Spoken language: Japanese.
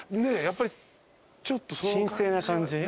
やっぱりちょっとその感じは。